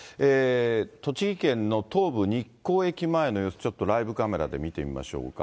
栃木県の東武日光駅前の様子、ちょっとライブカメラで見てみましょうか。